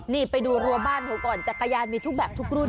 นี่ไปดูรัวบ้านเขาก่อนจักรยานมีทุกแบบทุกรุ่น